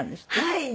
はい。